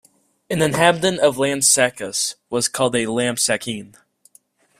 An inhabitant of Lampsacus was called a Lampsacene.